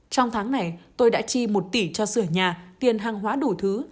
trong tháng này tôi đã chi một tỷ cho sửa nhà tiền hàng hóa đủ thứ